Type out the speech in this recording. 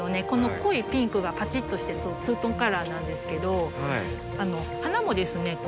この濃いピンクがパチッとしてツートンカラーなんですけど花もですね